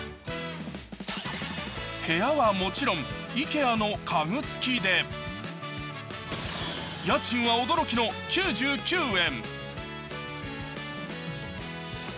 部屋はもちろんＩＫＥＡの家具付きで家賃は驚きの９９円。